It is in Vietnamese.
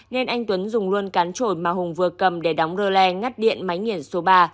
nên anh tuấn dùng luôn cán trồi mà hùng vừa cầm để đóng rơ le ngắt điện máy nghiền số ba